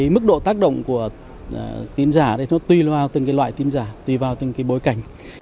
mức độ tác động của tin giả này nó tùy vào từng loại tin giả tùy vào từng bối cảnh